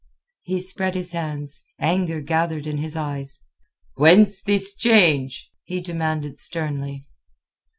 He spread his hands, anger gathered in his eyes. "Whence this change?" he demanded sternly.